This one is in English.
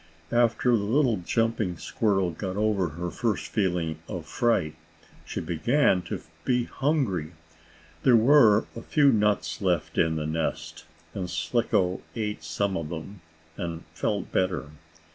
After the little jumping squirrel got over her first feeling of fright, she began to be hungry. There were a few nuts left in the nest, and Slicko ate some of them, and felt better.